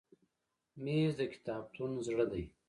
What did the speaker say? مېز د کتابتون زړه دی.